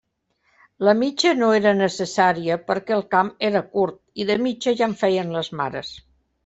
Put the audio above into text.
La mitja no era necessària perquè el camp era curt, i de mitja ja en feien les mares.